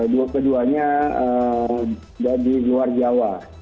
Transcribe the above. dua keduanya dari luar jawa